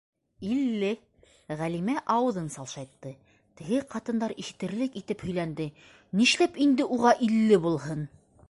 Илле, - Ғәлимә ауыҙын салшайтты, теге ҡатындар ишетерлек итеп һөйләнде: - Нишләп инде уға илле булһын?!